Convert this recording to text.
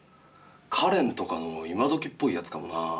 かれんとかの今どきっぽいやつかもな。